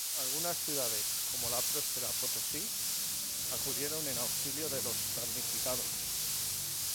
Algunas ciudades como la próspera Potosí acudieron en auxilio de los damnificados.